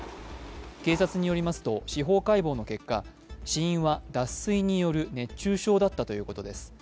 警察によりますと司法解剖の結果死因は脱水による熱中症だったということです。